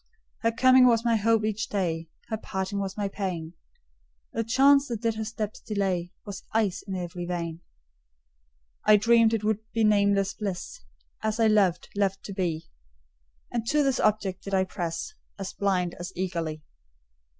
Her coming was my hope each day, Her parting was my pain; The chance that did her steps delay Was ice in every vein. I dreamed it would be nameless bliss, As I loved, loved to be; And to this object did I press As blind as eagerly.